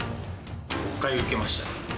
５回受けました。